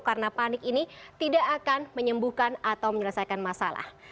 karena panik ini tidak akan menyembuhkan atau menyelesaikan masalah